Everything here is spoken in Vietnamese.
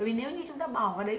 vì nếu như chúng ta bỏ vào đấy